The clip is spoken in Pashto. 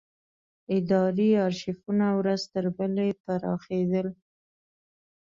اداري ارشیفونه ورځ تر بلې پراخېدل.